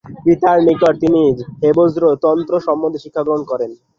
পিতার নিকট তিনি হেবজ্র তন্ত্র সম্বন্ধে শিক্ষাগ্রহণ করেন।